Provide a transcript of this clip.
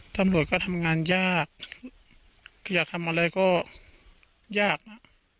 ตำรวจก็ทำงานยากอยากทำอะไรก็ยากนะ